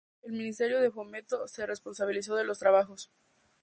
El Ministerio de Fomento se responsabilizó de los trabajos.